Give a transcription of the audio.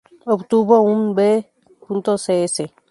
Obtuvo un B.sc.